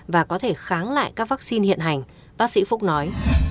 và có thể kháng lại các vaccine hiện hành bác sĩ phúc nói